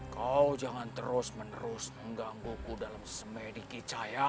kau jangan terus menerus mengganggu ku dalam semedikicaya